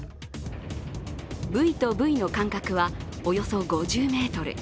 ブイとブイの間隔はおよそ５０ｍ。